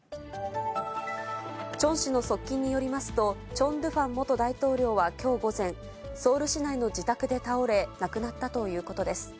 チョン氏の側近によりますと、チョン・ドゥファン元大統領はきょう午前、ソウル市内の自宅で倒れ、亡くなったということです。